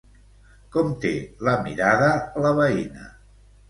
Com té la mirada la veïna?